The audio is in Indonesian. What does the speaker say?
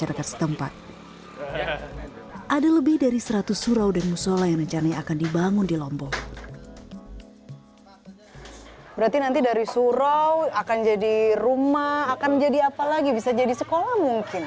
berarti nanti dari surau akan menjadi rumah bisa menjadi sekolah mungkin